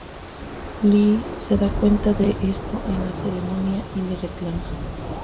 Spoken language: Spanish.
Lee se da cuenta de esto en la ceremonia y le reclama.